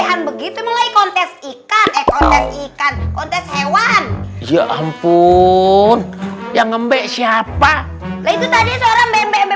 han begitu mulai kontes ikan ikan kontes hewan ya ampun yang mbe mbe siapa itu tadi seorang mbe mbe